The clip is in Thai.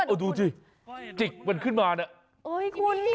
เออดูสิจิกมันขึ้นมาเนี่ย